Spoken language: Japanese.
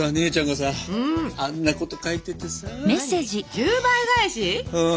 「１０倍返し！」？